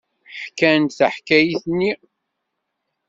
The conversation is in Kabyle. Ḥkan-d taḥkayt-nni.